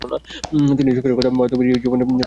তিনি এই সংসারের কথা বা ইহজীবনের বিষয় কখনও কিছু বলেন নাই।